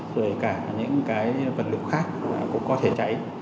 rồi cả những vật lực khác cũng có thể cháy